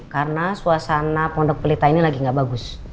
karena suasana pendok pelita ini lagi gak bagus